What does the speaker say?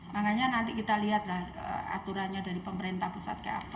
makanya nanti kita lihatlah aturannya dari pemerintah pusat kayak apa